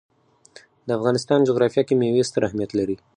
د افغانستان جغرافیه کې مېوې ستر اهمیت لري.